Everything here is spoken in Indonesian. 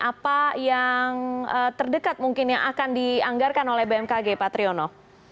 apa yang terdekat mungkin yang akan dianggarkan oleh bmkg pak triyono